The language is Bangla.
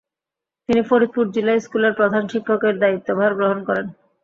তিনি ফরিদপুর জিলা স্কুলের প্রধান শিক্ষকের দায়িত্বভার গ্রহণ করেন।